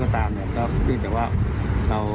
ท่านผู้ชมครับ